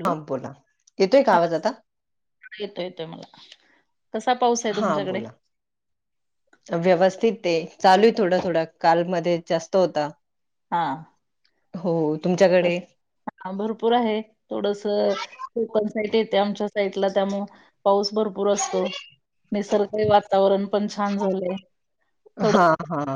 Hello बोला येतोय का आवाज आता? येतो -येतोय मला. कसा पाऊस आहे हा तुमच्याकडे बोला, व्यवस्थित ते ए चालू आय थोडा थोडा काल मध्ये जास्त होता. हा हो तस तुमच्याकडे. हा भरपूर आहे. थोडस कोकण साईट येते, आमच्या साईटला त्यामुळं, पाऊस भरपूर असतो, निसर्ग वातावरण पण छान झालय, हा थोडं हा.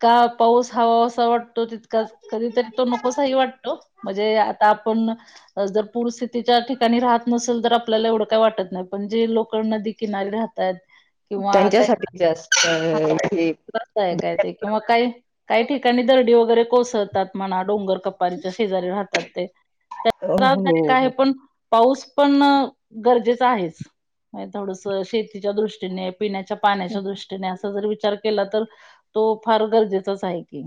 का, पाऊस हवाहवासा वाटतो तितकाच, कधीतरी तो नकोसाही वाटतो. म्हणजे आता आपण जर पूरस्थितीच्या ठिकाणी राहत नसल तर आपल्याला एवढं काय वाटत नाही पण जे लोक नदी किनारी राहतात किंवा काही त्यांच्यासाठीच्या जास्त हे कसं आहे काय किंवा काही काही ठिकाणी दर्डी वगैरे कोसळतात म्हणा डोंगर कपारीच्या शेजारी राहतात ते. त्यात हो त्रासदायक आहे हो पण पाऊस पण गरजेच आहेच थोडस शेतीच्या दृष्टीने पिण्याच्या पाण्याच्या दृष्टीने अस जर विचार केला तर, तो फार गरजेचाच आहे की.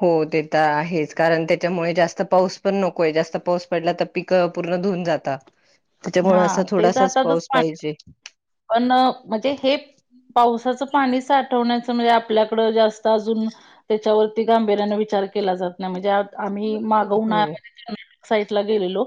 हो ते तर आहेच कारण त्याच्यामुळे जास्त पाऊस पण नकोय जास्त पाऊस पडला तर पिक पूर्ण धुऊून जाता त्याच्यामुळ हा असा थोडासाच पाऊस पाहिजे. अन म्हणजे हे पावसाचं पाणी साठवण्याचं म्हणजे, आपल्याकडं जास्त अजून त्याच्यावरती गांभीर्याने विचार केला जा ना म्हणजे आम्ही माग हो उन्हाळ्यामध्ये कर्नाटक साईटला गेलेलो.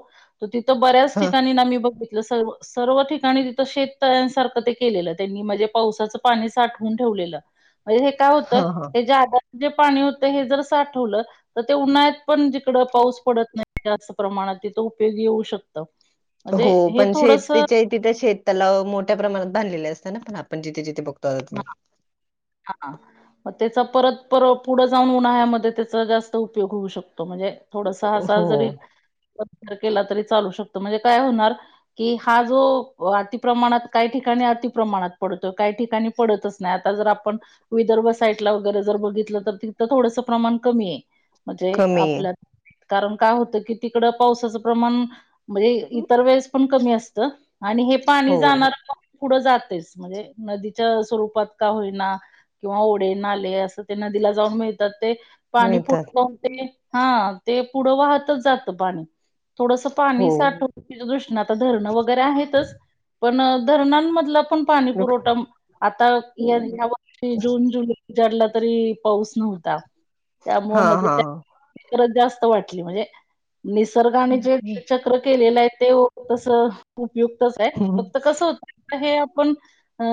तिथं बऱ्याच हा ठिकाणी ना मी बघितलं सर्व सर्व ठिकाणी तिथं शेत तळ्यांसारखं ते केलेलं त्यांनी, म्हणजे पावसाचं पाणी साठवून ठेवलेलं. म्हणजे हे काय होतं, हा हा हे ज्यादाच जे पाणी होतं हे जर साठवलं, तर ते उन्हाळ्यात पण जिकडं पाऊस पडत नाही जास्त प्रमाणात, तिथं उपयोगी येऊ शकत. हो, पण शेतीचे तिथे शेत तलाव मोठ्या प्रमाणात बांधलेले असतात ना, आपण जिथे जिथे बघतो [inaudible] आ हा मग त्याचा परत पर पुढं जाऊन, उन्हाळ्यामध्ये त्याचा जास्त उपयोग होऊ शकतो. म्हणजे थोडसा असा हो जरी विचार केला, तरी चालू शकतो. म्हणजे काय होणार कि हा जो अतिप्रमाणात काही ठिकाणी अतिप्रमाणात पडतोय काही ठिकाणी पडतच नाय आता जर आपण विदर्भ साईडला वगैरे जर बघितलं तर तिथं थोडंसं प्रमाण कमी आय. म्हंजे कमी आहे आपल्यात, कारण काय होतं कि तिकडं पावसाचं प्रमाण म्हजे इतर वेळेस पण कमी असतं आणि हे पाणी हो जाणारं प पुढं जातेस म्हणजे, नदीत त स्वरूपात का होईना नव ओढे, नाले असं ते नदीला जाऊन मिळतात ते पाणी पुट मिळतात पाउते की, हा, ते पुढं वाहतच जातं पाणी. थोडसं हो पाणी साठवच्या दृष्टीनं आता धरणं वगैरे आहेतच, पण धरणामधलं पण पाणी पुरवठा आता या वर्षी जून जुलै उजाडला तरी पाऊस नव्हता, हा त्यामुळे मधे हा त्या [unintelligible] जास्त वाटली म्हणजे निसर्गाने जे चक्र केलेलं आहे तेव तसं उपयुक्तच आहे फक्त कसं होत अत हे आपण अअ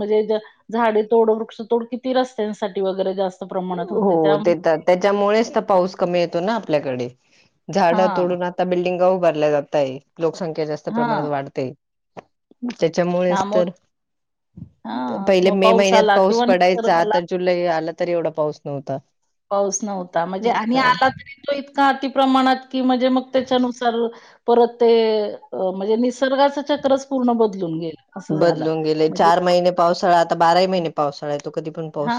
मधे ज झाडे तोड, वृक्षतोड किती रस्त्यांसाठी वगरे जास्त प्रमाणात होते उहो त्या तेतात त्याच्यामुळेच तर पाऊस कमी येतो ना आपल्याकडे झाडं हा तोडून आ आता बिल्डिंगा उभारल्या जात्ताय लोकसंख्या जास्त प्रमाणात हा वाढतंय त्याच्यामुळेच त्यामु तर हा पहिले मग मे पाऊस मैन्यात आला पाऊस किंवा पडायचा निसर्गाला आता जुलै आलं तरी थोडा पाऊस नव्हता पाऊस नव्हता म्हणजे आणि आला [unintelligible] तरी तो इतका अति प्रमाणात कि म्हणजे मग त्याच्यानुसार परत तेए म्हणजे निसर्गाचं चक्रच पूर्ण बदलून गेल बदलून गेलयं, चार मइने पावसाळा आता बाराही मइने पावसाळा्य. हा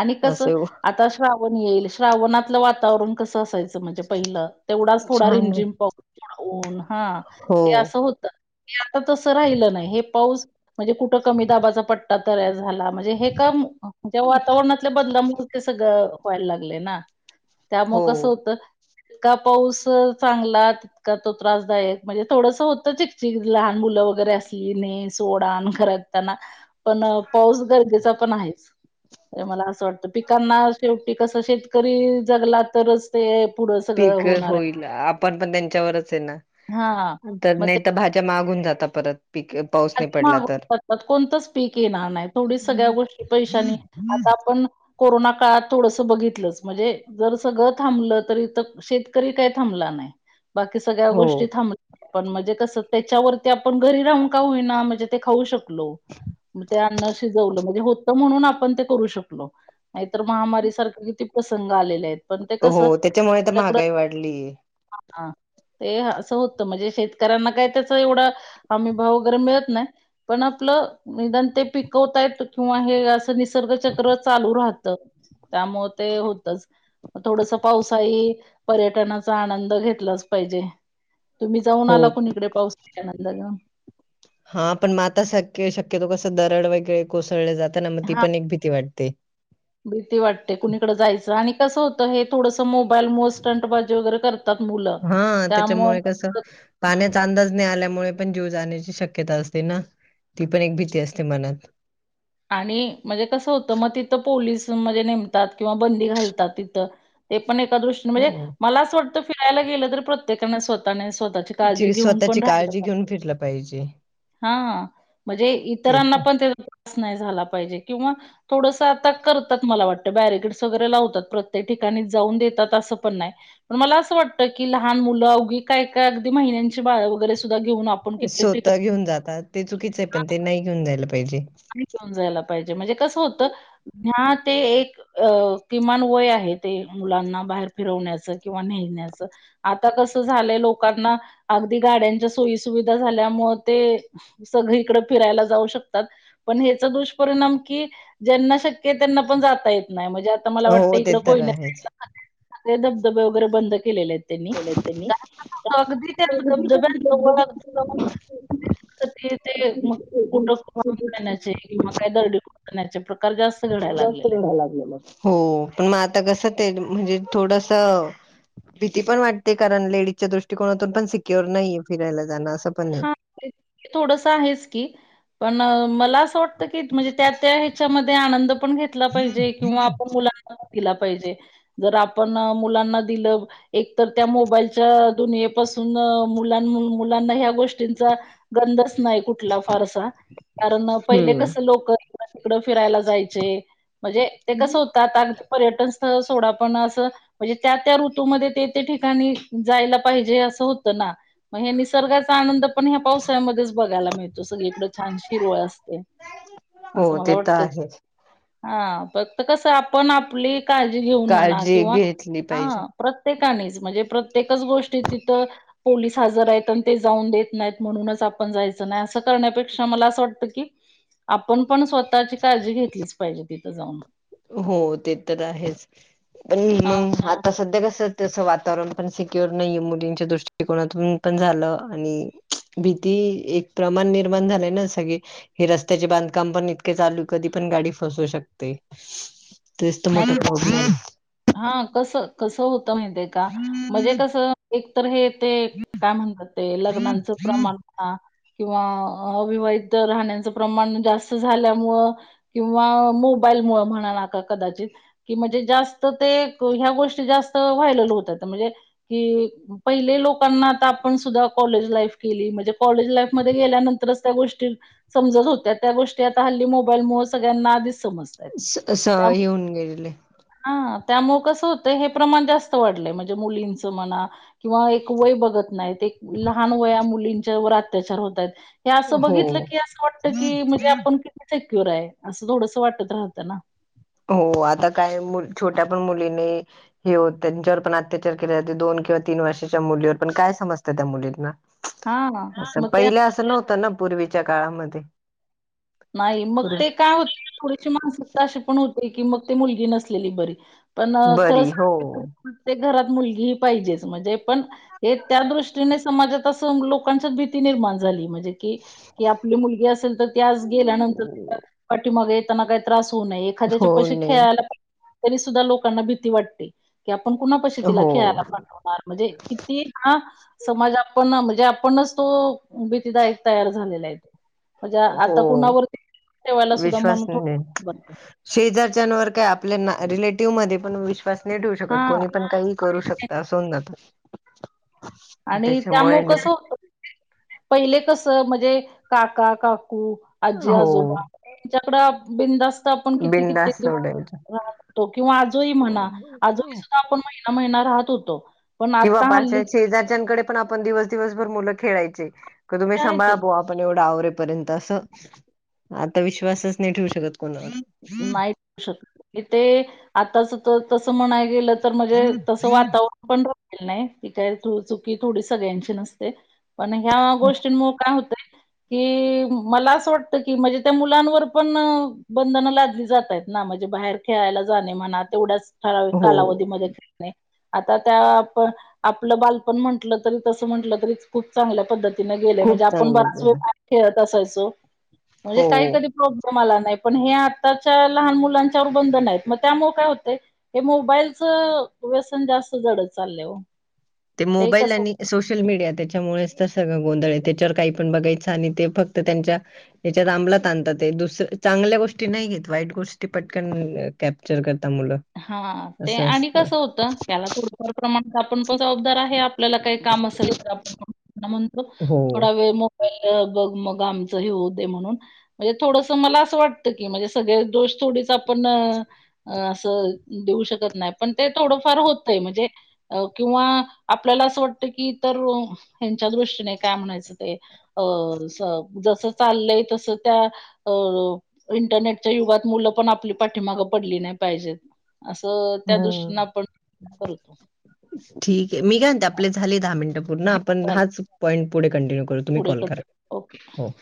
आणि कसं असे आता श्रावण येईल, श्रावणातलं वातावरण कसं असायचं म्हणजे पहिलं, तेवडाच थोडा छान रिमझिम पाऊ थोडं ऊन. हा हो ते असं होतं. हे आता तसं राहिलं नाही हे पाऊस म्हणजे कुठं कमी दाबाचा पट्टा तयार झाला म्हणजे हे [unintelligible] त्या वातावरणातल्या बदलामुळं ते सगळं व्हायल लागलय ना?. हो त्यामुळे कसं होतं, का पाऊ स चांगलाच का तो त्रासदायक, म्हणजे थोडंस होतं चिकचीक, लहान मुलं वगरे असली ने सोडान अन खरात त्यांना, पण पाऊस गरजेचा पण आहेच त मला असं वाटतं, पिकांना शेवटी कसं शेतकरी जगला तरच ते पुढं [unintelligible] पीकं आहे. होईल आपण पण त्यांच्यावरच आहे ना?. हां. तर मग ते नेटअ भाज्या माग हून जातात परत पीके आदी माग तात [unintelligible] कोणतंच पीक येणार नाही, थोडी सगळ्या गोष्टी पैशानी आता आपण कोरोना काळात थोडसं बघितलंच म्हणजे जर सगळं थांबलं तर इथं शेतकरी काय थांबला नाही. बाकी सगळ्या हो गोष्टी थांबल्या, पण म्हणजे कसं त्याच्यावरती आपण घरी राहून का होईना, म्हणजे ते खाऊ शकलो. मग ते अन्न शिजवलं, म्हणजे होतं म्हणून आपण ते करू शकलो. नाहीतर महामारी सारखं किती प्रसंग आलेले आहेत. पण ते हो, कसं त्याच्यामुळे त आपल्याकडं महागाई वाढलीय. हा, ते असं होतं, म्हणजे शेतकऱ्यांना काय त्याच एवढा हमीभाव मिळत नाही. पण आपल निदान ते पिकवता आहेत किंवा हे अस निसर्ग चक्र चालू राहत. त्यामुळे ते होतच. थोडस पावसाळी पर्यटनाचा आनंद घेतलाच पाहिजे. तुम्ही जाऊन हो आला कोणी इकडे पाऊस [unintelligible] हा पण मग आता स शक्यतो कसं दरड वगैरे कोसळले जातं ना, मग ती हा पण एक भीती वाटते. भीती वाटते, कुणीकडें जायचं, आणि कसं होत हे थोडस मोबाईल मुळ स्टंटबाजी वगैरे करतात मुलं, हा त्याच्यामुळे कसं त्यामुळे पाण्याचा अंदाज नाही आल्यामुळे पण जीव जाण्याची शक्यता असते ना, ती पण एक भीती असते मनात. आणि म्हणजे कसं होतं मग, तिथं पोलीस म्हणजे नेमतात किंवा बंदी घालतात तिथं ते पण एका दृष्टीने म्हणजे, हो मला असं वाटतं फिरायला गेलं तर प्रत्येकाने स्वतःने स्वतः ची स्वतःची काळजी घेऊन फिरला पाहिजे. हा, म्हणजे ते इतरांना पण तर त्याचा त्रास नाही झाला पाहिजे किंवा थोडस आता करतात. मला वाटतं बॅरिकेड्स वगैरे लावतात प्रत्येक ठिकाणी जाऊन देतात असं पण नाही. पण मला असं वाटतं की लहान मुलं अवघी काय काय अगदी महिन्यांची बाळ वगैरे सुद्धा घेऊन आप स्वतः घेऊन जातात. ते चुकीच आहे. पण ते नाही घेऊन जायला पाहिजे. नाही घेऊन जायला पाहिजे, म्हणजे कसं होतं ह्या ते एक अ किमान वय आहे ते, मुलांना बाहेर फिरवण्याचं किंवा नेण्याचं आता कसं झालंय लोकांना, अगदी गाड्यांच्या सोयीसुविधा झाल्यामुळे ते सगळीकडे फिरायला जाऊ शकतात. पण हेचा दुष्परिणाम की ज्यांना शक्य आहे. त्यांना पण जाता येत नाही म्हणजे आता मला वाटत, हो ते इकड तर कोयना आहेच साइडला सगळे धबधबे वगैरे बंद केलेले आहेत. त्यांनी, बोलत त्यांनी अगदी त्या धबधब्या जवळ जावून मग ते ते, मग कुट [unintelligible] ण्याचे प्रकार जास्त घडायला लागलेले आहेत. लागलेला आहे. हो, पण मग आता कसं ते म्हणजे थोडस भीती पण वाटते कारण लेडीजच्या दृष्टिकोनातून पण सिक्युर नाही फिरायला जाणं असं. पण नाही. हा, थोडस आहेच की, पण मला असं वाटतं की म्हणजे त्या त्या च्या मध्ये आनंद पण घेतला पाहिजे, किंवा आपण मुला दिला पाहिजे, जर आपण मुलांना दिलं एक तर त्या मोबाईलच्या दुनियेपासून मुलां-मुलांना ह्या गोष्टींचा गंधच नाही कुठला फारसा, कारण पहिले कस हम्म. लोक हिकडं तिकडं फिरायला जायचे, म्हणजे ते कसं होत आता आग पर्यटन स्थळ सोडा पण असं म्हणजे त्या-त्या ऋतूमध्ये ते-ते ठिकाणी जायला पाहिजे असं होतं ना मग हे निसर्गाचा आनंद पण ह्या पावसाळ्यामध्येच बघायला मिळतो, सगळीकड छान हिरवळ असते. हो असं मला ते तर वाटतं आहे. हा, फक्त कसं आपण आपली काळजी घेऊन म्हणा, काळजी किंवा घेतली पाहिजे. हा प्रत्येकाने म्हणजे प्रत्येकच गोष्ट तिथ पोलीस हजर आहेत. ते जाऊन देत नाहीत म्हणूनच आपण जायचं नाही असं करण्यापेक्षा मला असं वाटतं की आपण पण स्वतःची काळजी घेतलीच पाहिजे तिथं जाऊन. हो ते तर आहेच पण हा मंग आता सध्या कस तसं वातावरण पण सिक्युर नाही मुलींच्या दृष्टिकोनातून पण झालं आणि भीती एक प्रमाण निर्माण झालंय ना सगळी हे रस्त्याचे बांधकाम पण इतके चालू कधी पण गाडी फसू शकते. तेच तर मोठा प्रॉब्लेम आहे. हा कस कसं होतं माहितीेये का म्हणजे आहे. कसं एक तर हे ते काय म्हणतात ते लग्नांचं प्रमाण हा किंवा अविवाहित राहण्याचं प्रमाण जास्त झाल्यामुळं किंवा मोबाईलमुळं म्हणा कदाचित की म्हणजे जास्त ते ह्या गोष्टी जास्त व्हायरल होतात म्हणजे की पहिले लोकांना आता आपण सुद्धा कॉलेज लाईफ केली म्हणजे कॉलेज लाईफमध्ये गेल्यानंतरच त्या गोष्टी समजत होत्या त्या गोष्टी आता हल्ली मोबाईलमुळे सगळ्यांना आधीच समजतायेत. स अस येऊन गेलेले. हा त्यामुळे कसं होतं हे प्रमाण जास्त वाढलंय म्हणजे मुलींच म्हणा किंवा एक वय बघत नाहीत एक लहान वया मुलींच्या वर अत्याचार होत आहेत. हे असं बघितलं हो. की असं वाटत की म्हणजे आपण किती सेक्युर आहे असं थोडसं वाटत राहतं ना? हो आता काय मु छोट्या पण मुलीनी हे हो त्यांच्यावर पण अत्याचार केले जाते दोन किंवा तीन वर्षाच्या मुलीवर पण काय समजतं त्या मुलींना. हां, असं मग ते पहिल्या असं नव्हतं ना पूर्वीच्या काळामध्ये. नाही मग पूर्वी ते काय होते थोडीशी मानसिकता अशी पण होते की मग ते मुलगी नसलेली बरी. पण खरं बरी सां हो. [inaudible] प्रत्येक घरात मुलगीही पाहिजेच म्हणजे पण हे त्या दृष्टीने समाजात असं लोकांच्यात भीती निर्माण झाली म्हणजे जे की, की आपली मुलगी असेल तर ती आज गेल्यानंतर [inaudible] माग येताना काही त्रास होऊ नये हो एखाद्याच्या पाशी नाही खेळायला [inaudible] तरी सुद्धा लोकांना भीती वाटते. कि आपण कुणापशी तिला हो खेळायला पाठवणार म्हणजे किती हा समाज आपण म्हणजे आपणच तो भीतीदायक तयार झालेला आहे तो म्हणजे हो आता कुणावरती [inaudible] ठेवायला सुद्धा मन विश्वास नाही थोडं [inaudible] बनत. शेजारच्यावर काही आपल्याना रिलेटिव्ह मध्ये पण विश्वास नाही ठेवू हा शकत कोणी पण काही करू शकता अस होऊन जात. आणि त्याच्यामुळे त्यामुळं कसं होतं पहिले कस म्हणजे काका, काकू, आजी, हो आजोबा त्यांच्याकडे बिंदास्त आपण किती किती बिंदास दिवस. सोडायच [inaudible] तो किंवा आजोही म्हणा आजोही सुद्धा आपण महिना महिना राहत होतो. पण किंवा आता बा च्या हल्लीचे शेजारच्या्यांकडे पण आपण दिवस दिवसभर मुलं खेळायचे का तुम्ही जे सांभाळा आहेत बुवा आपण एवढ आवरे पर्यंत अस आता विश्वासच नाही ठेवू शकत कोणावर. नाही श ते आताच तर तस म्हणाय गेलं तर म्हणजे तसं वातावरण पण राल नाही ती काय चुकी थोडी सगळ्यांची नसते. पण ह्या गोष्टींमुळे काय होतय कि मला असं वाटतं की म्हणजे त्या मुलांवर पण बंधनं लादली जातय आहेत ना म्हणजे बाहेर खेळायला जाणे म्हणा तेवढ्याच ठराविक हो कालावधीमध्ये ने आता त्या प आपलं बालपण म्हटलं तरी तस म्हटलं तरी खूप चांगल्या पद्धतीने गेले म्हणजे खूप आपण चांगलं बराच वेळ केलं भा खेळत असायचो म्हणजे काही हो कधी प्रॉब्लेम आला नाही. पण हे आताच्या लहान मुलांच्यावर बंधन आहेत. मग त्यामुळे काय होते हे मोबाईलचं व्यसन जास्त जडत चाललय ओ ते मोबाईल आणि सोशल शल मीडिया त्याच्यामुळेच तर सगळं गोंधळ आहे. त्याच्यावर काही पण बघायचं आणि ते फक्त त्यांच्या ह्याच्यात आमलात आणतात ते दुसर चांगल्या गोष्टी नाही घेत वाईट गोष्टी पटकन कॅप्चर करतात मुलं. हा ते असं आणि असतं कसं होतं याला थोड प्रमाण आपण पण जबाबदार आहे आपल्याला काही काम असेल तर आपण [unintelligible] म्हणतो हो. थोडा वेळ मोबाईल बघ मग आमचं हे होऊ दे म्हणून म्हणजे थोडस मला असं वाटतं की म्हणजे सगळे दोष थोडीच आपण अह देऊ शकत नाही पण ते थोडंफार होत म्हणजे अ किंवा आपल्याला असं वाटत की तर ह्यांच्या दृष्टीने काय म्हणायचं ते अह जस चाललंय तस त्या अह इंटरनेटच्या युगात मुलं पण आपली पाठीमागं पडली नाही पाहिजेत असं त्या हो. दृष्टीने आपण करत असतो. ठीक आहे मी काय म्हणते आपले झाले दहा मिनिटं पूर्ण हां आपण चालेल हाच पॉइंट पुढे कंटिन्यू करू. तुम्ही पुढे कॉल करा. Continue okay. हो.